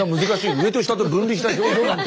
上と下で分離した表情なんて。